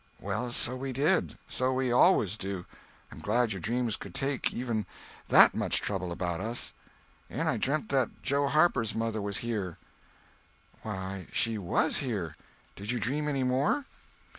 "Well, so we did. So we always do. I'm glad your dreams could take even that much trouble about us." "And I dreamt that Joe Harper's mother was here." "Why, she was here! Did you dream any more?"